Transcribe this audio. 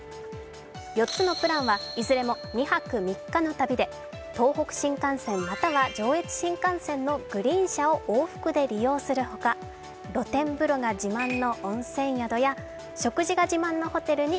４つのプランはいずれも２泊３日の旅で、東北新幹線または上越新幹線のグリーン車を往復で利用するほか露天風呂が自慢の温泉宿や食事が自慢のホテルに